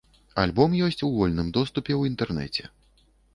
Альбом ёсць у вольным доступе ў інтэрнэце.